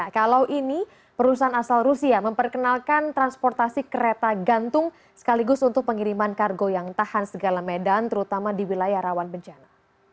kalau ini perusahaan asal rusia memperkenalkan transportasi kereta gantung sekaligus untuk pengiriman kargo yang tahan segala medan terutama di wilayah rawan bencana